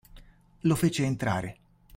Lo fece entrare.